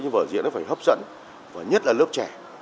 nhưng vở diễn nó phải hấp dẫn nhất là lớp trẻ